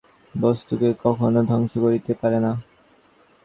বস্তুকে কখনও ধ্বংস করিতে পারে না।